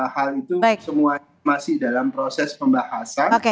hal itu semua masih dalam proses pembahasan